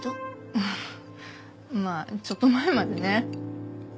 ああまあちょっと前までね。